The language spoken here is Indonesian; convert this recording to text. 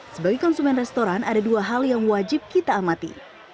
sebagai konsumen restoran ada dua hal yang wajib kita amati